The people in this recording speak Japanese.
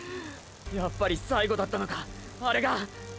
やっぱり最後だったのかアレが！！